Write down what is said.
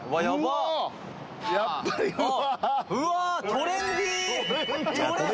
うわ。